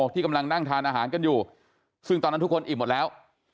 ที่กำลังนั่งทานอาหารกันอยู่ซึ่งตอนนั้นทุกคนอิ่มหมดแล้ว